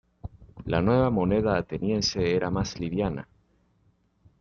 La nueva moneda ateniense era más liviana.